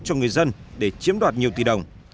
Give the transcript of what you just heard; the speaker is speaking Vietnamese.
cho người dân để chiếm đoạt nhiều tỷ đồng